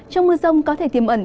trong mưa rồng có thể tiêm ẩn